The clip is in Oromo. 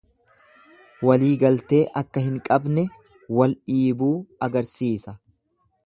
Waliigaltee akka hin qabne, wal dhiibuu agarsiisa.